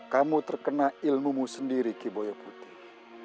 kamu terkena ilmumu sendiri ki boya putih